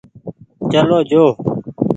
چلو جو ۔